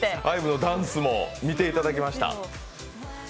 ＩＶＥのダンスも見ていただきました。